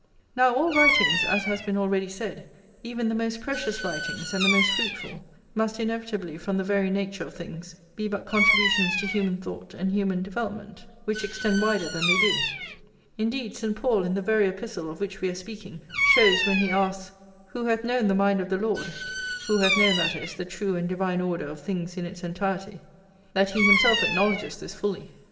Now all writings, as has been already said, even the most precious writings and the most fruitful, must inevitably, from the very nature of things, be but contributions to human thought and human development, which extend wider than they do. Indeed, St. Paul, in the very Epistle of which we are speaking, shows, when he asks, "Who hath known the mind of the Lord?"+ who hath known, that is, the true and divine order of things in its entirety, that he himself acknowledges this fully.